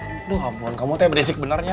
aduh hampon kamu tuh yang berisik benernya